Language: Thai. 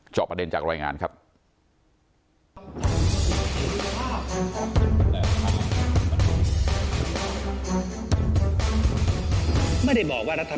จอบประเด็นจากรายงานครับ